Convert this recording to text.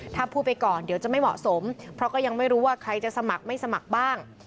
ถ้าพูดไปก่อนเดี๋ยวจะไม่เหมาะสมเพราะก็ยังไม่รู้ว่าใครจะสมัครไม่สมัครบ้าง